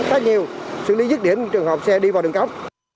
khá nhiều xử lý dứt điểm trường hợp xe đi vào đường cấm